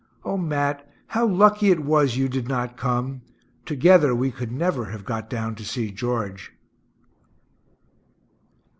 O Mat, how lucky it was you did not come together, we could never have got down to see George.